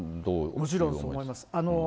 もちろんそう思います。